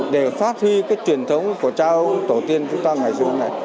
để phát huy cái truyền thống của cha ông tổ tiên chúng ta